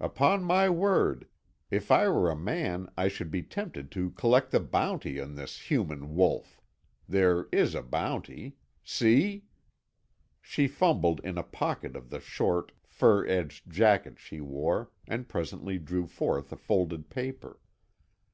Upon my word, if I were a man I should be tempted to collect the bounty on this human wolf. There is a bounty. See?" She fumbled in a pocket of the short, fur edged jacket she wore, and presently drew forth a folded paper.